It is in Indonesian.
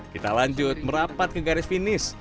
kita lanjut merapat ke garis finish